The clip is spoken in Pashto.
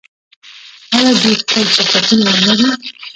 آیا دوی خپل شرکتونه نلري؟